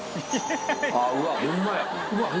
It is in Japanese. うわっホンマや。